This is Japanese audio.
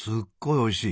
おいしい。